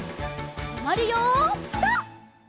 とまるよピタ！